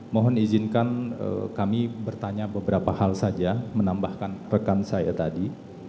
mohon izinkan kami bertanya beberapa hal saja menambahkan rekan saya tadi